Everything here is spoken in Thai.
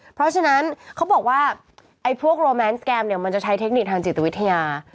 เพราะฉะนั้นเขาบอกว่าไอ้พวกโรแมนสแกมเนี่ยมันจะใช้เทคนิคทางจิตวิทยา